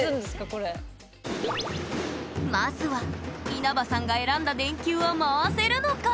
まずは稲場さんが選んだ電球は回せるのか？